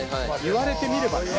言われてみればね。